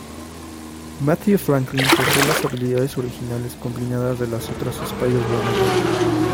Mattie Franklin posee las habilidades originales combinadas de las otras Spider-Woman.